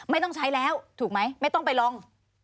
ไม่ต้องใช้แล้วถูกไหมไม่ต้องไปลอง